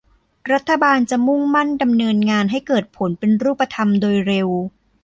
รัฐบาลจะมุ่งมั่นดำเนินงานให้เกิดผลเป็นรูปธรรมโดยเร็ว